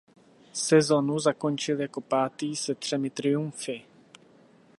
Sezonu zakončil jako pátý se třemi triumfy.